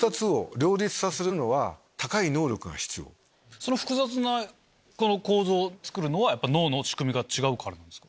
その複雑な構造を作るのは脳の仕組みが違うからですか？